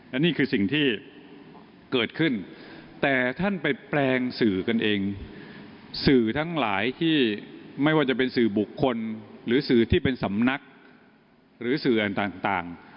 อันนี้คือสิ่งที่เกิดขึ้นแต่ท่านไปแปลงสื่อกันเองสื่อทั้งหลายที่ไม่ว่าจะเป็นสื่อบุคคลหรือสื่อที่เป็นสำนักหรือสื่อต่าง